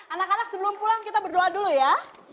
anak anak sebelum pulang kita berdoa dulu ya